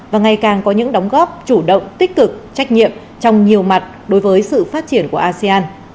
và ngày càng có những đóng góp chủ động tích cực trách nhiệm trong nhiều mặt đối với sự phát triển của asean